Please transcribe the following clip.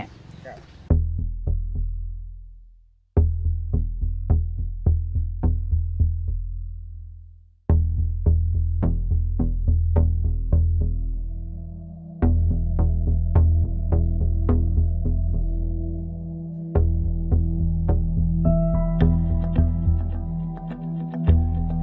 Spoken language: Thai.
ดึงดึงดึง